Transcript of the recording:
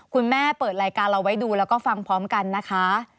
คุณแม่เปิดรายการเราไว้ดูแล้วก็ฟังพร้อมกันนะคะ